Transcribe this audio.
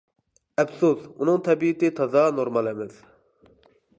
-ئەپسۇس، ئۇنىڭ تەبىئىتى تازا نورمال ئەمەس.